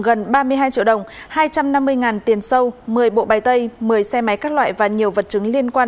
gần ba mươi hai triệu đồng hai trăm năm mươi tiền sâu một mươi bộ bài tay một mươi xe máy các loại và nhiều vật chứng liên quan